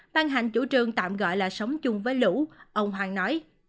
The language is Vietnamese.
ban hành chủ trương tạm gọi là sống chung với lũ ông hoàng nói